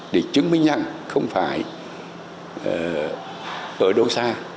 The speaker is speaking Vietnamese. để chứng minh rằng không phải ở đâu xa